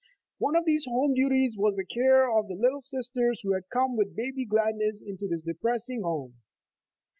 One of these home duties was the care of the little sisters who had come with baby gladness into this depressing home.